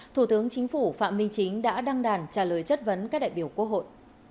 thủ tướng chính phủ phạm minh chính đã đăng đàn trả lời chất vấn các đại biểu quốc hội